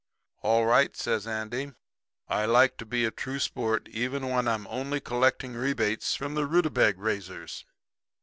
"'All right,' says Andy. 'I like to be a true sport even when I'm only collecting rebates from the rutabag raisers.